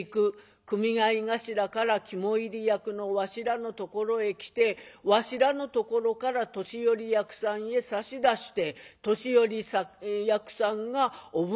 組合頭から肝煎り役のわしらのところへ来てわしらのところから年寄役さんへ差し出して年寄役さんがお奉行所へ。